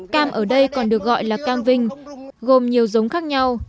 cam ở đây còn được gọi là cam vinh gồm nhiều giống khác nhau